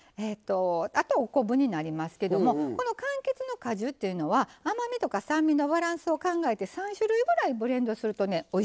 あとお昆布になりますけどもこのかんきつの果汁っていうのは甘みとか酸味のバランスを考えて３種類ぐらいブレンドするとねおいしいんですよ。